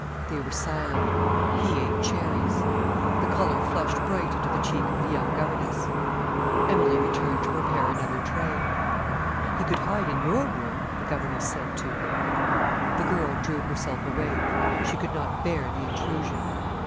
They were silent. He ate cherries. The colour flushed bright into the cheek of the young governess. Emilie returned to prepare another tray. "He could hide in your room," the governess said to her. The girl drew herself away. She could not bear the intrusion.